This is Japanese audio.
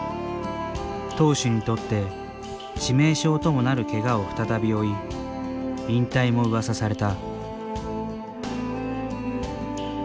投手にとって致命傷ともなるけがを再び負い引退もうわさされた。